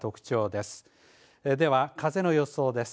では風の予想です。